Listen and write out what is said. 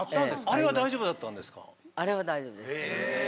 あれは大丈夫でしたね。